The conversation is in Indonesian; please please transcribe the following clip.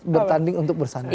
bertanding untuk bersanding